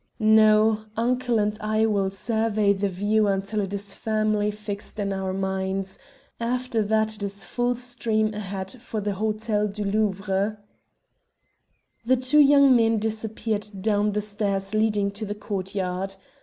"No; uncle and I will survey the view until it is firmly fixed in our minds. After that it is full steam ahead for the Hotel du Louvre." The two young men disappeared down the stairs leading to the courtyard.